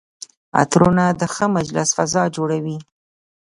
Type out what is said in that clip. عطرونه د ښه مجلس فضا جوړوي.